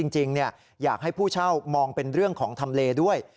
จริงอยากให้ผู้เช่ามองเป็นเรื่องของทำเลด้วย